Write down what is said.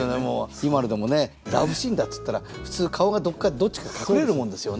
今のでもねラブシーンだっつったら普通顔がどっちか隠れるもんですよね。